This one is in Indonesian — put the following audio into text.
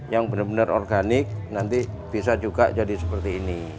yang benar benar organik nanti bisa juga jadi seperti ini